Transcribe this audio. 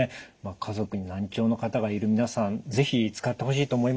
家族に難聴の方がいる皆さん是非使ってほしいと思いますが。